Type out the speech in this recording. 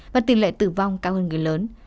và tỷ lệ tử vong cao hơn người lớn